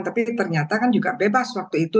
tapi ternyata kan juga bebas waktu itu